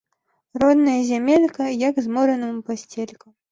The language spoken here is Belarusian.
Родная зямелька – як зморанаму пасцелька